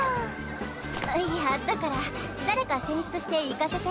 あっいやだから誰か選出して行かせて。